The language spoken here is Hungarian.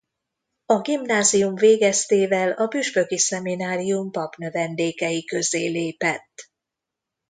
A gimnázium végeztével a püspöki szeminárium papnövendékei közé lépett.